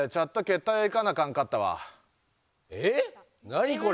何これ？